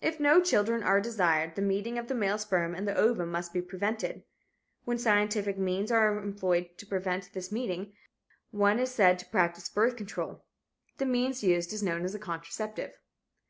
If no children are desired, the meeting of the male sperm and the ovum must be prevented. When scientific means are employed to prevent this meeting, one is said to practice birth control. The means used is known as a contraceptive.